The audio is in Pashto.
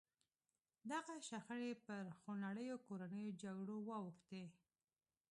دغه شخړې پر خونړیو کورنیو جګړو واوښتې.